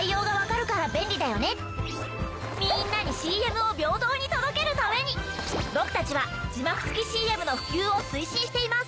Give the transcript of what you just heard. みんなにＣＭを平等に届けるために僕たちは字幕付きＣＭの普及を推進しています。